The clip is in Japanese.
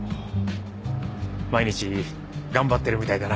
毎日頑張ってるみたいだな。